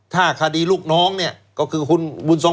ถ้าคดีลูกน้องเนี่ยก็คือคุณบุญทรง